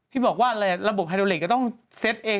ที่บอกว่าระบบไฮโดลิกจะต้องเซ็ตเอง